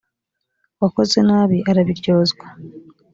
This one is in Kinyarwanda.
uwakoze nabi arbiryozwa.